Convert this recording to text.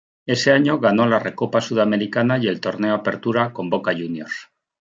Ese año ganó la Recopa Sudamericana y el Torneo Apertura con Boca Juniors.